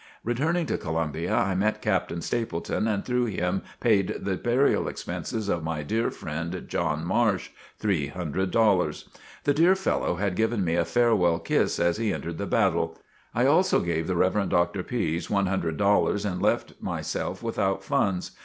Returning to Columbia, I met Captain Stepleton and through him paid the burial expenses of my dear friend, John Marsh, three hundred dollars. The dear fellow had given me a farewell kiss as he entered the battle. I also gave the Rev. Dr. Pise one hundred dollars and left myself without funds.